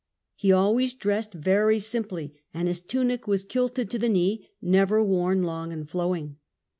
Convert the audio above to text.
He always dressed very simply and his tunic was kilted to the knee, never worn long and flowing.